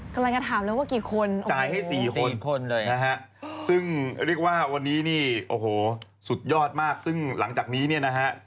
กำลังจะถามเลยว่ากี่คนจ่ายให้๔คนเลยนะฮะซึ่งเรียกว่าวันนี้นี่โอ้โหสุดยอดมากซึ่งหลังจากนี้เนี่ยนะฮะ